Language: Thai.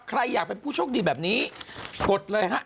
ใครอยากเป็นผู้โชคดีแบบนี้กดเลยฮะ